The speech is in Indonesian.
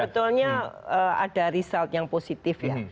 sebetulnya ada result yang positif ya